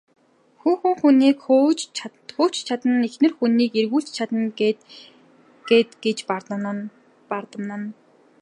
Хүүхэн хүнийг хөөж ч чадна, эхнэр хүнийг эргүүлж ч чадна гээд гэж бардамнана.